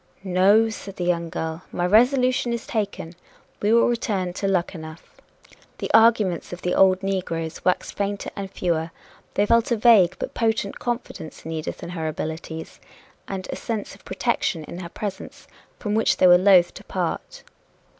"No," said the young girl, "my resolution is taken we will return to Luckenough." The arguments of the old negroes waxed fainter and fewer. They felt a vague but potent confidence in Edith and her abilities, and a sense of protection in her presence, from which they were loth to part.